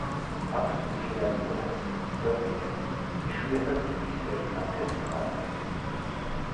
აქვთ მთლიანი ფოთლები და ყვითელი იშვიათად ლილისფერი ან თეთრი ყვავილები.